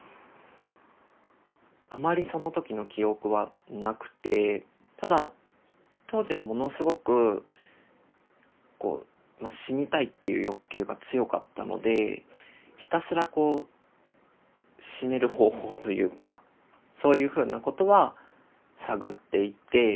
あまりその時の記憶はなくてただ当時はものすごくこう死にたいっていう欲求が強かったのでひたすらこう死ねる方法というかそういうふうなことは探っていて。